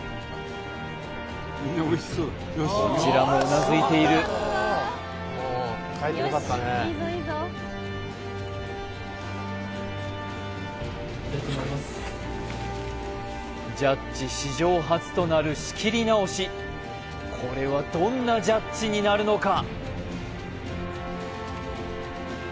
こちらもうなずいているジャッジ史上初となる仕切り直しこれはどんなジャッジになるのか？